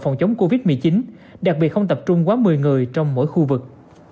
phòng chống covid một mươi chín đặc biệt không tập trung quá một mươi người trong mỗi khu vực